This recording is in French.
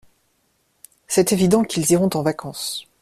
C'est évident qu'ils iront en vacances.